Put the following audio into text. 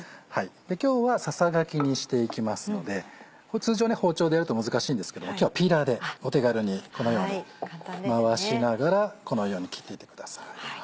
今日はささがきにしていきますので通常包丁でやると難しいんですけども今日はピーラーでお手軽にこのように回しながらこのように切っていってください。